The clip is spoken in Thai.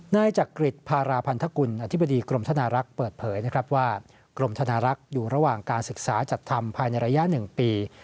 นายจักริจพาราพันธกุลอธิบดีกรมธนารักษ์เปิดเผยนะครับว่ากรมธนารักษ์อยู่ระหว่างการศึกษาจัดทำภายในระยะ๑ปี